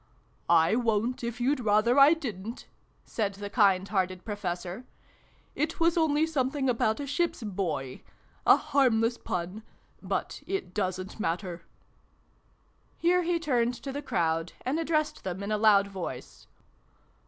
" I won't if you'd rather I didn't," said the kind hearted Professor. "It was only some thing about a Ship's Buoy : a harmless pun but it doesn't matter." Here he turned to the crowd and addressed them in a loud voice.